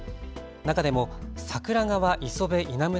中でも櫻川磯部稲村